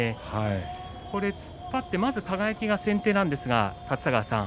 突っ張ってまず輝が先手なんですが立田川さん